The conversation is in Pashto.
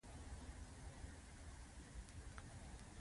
خوب د وجود د تعادل نښه ده